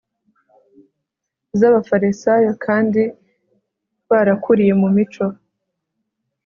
z'abafarisayo, kandi barakuriye mu mico